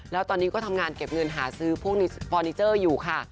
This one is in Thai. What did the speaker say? แล้วตอนนี้ก็ทำงานเก็บเงินหาซื้อพวกนี้ฟอร์นิเจอร์อยู่ค่ะ